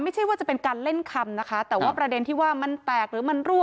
ไม่ใช่ว่าจะเป็นการเล่นคำนะคะแต่ว่าประเด็นที่ว่ามันแตกหรือมันรั่